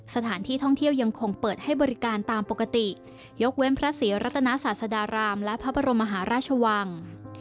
สถานที่ท่องเที่ยวยังคงเปิดให้บริการตามปกติยกเว้นพระศรีรัตนาศาสดารามและพระบรมมหาราชวัง